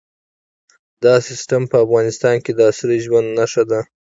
دا سیستم په افغانستان کې د عصري ژوند نښه ده.